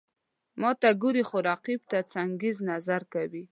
ماته ګوري، خو رقیب ته څنګزن نظر کوي.